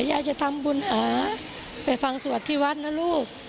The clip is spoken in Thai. ยายจะทำบุญหาไปฟังสวดที่วัดนะลูก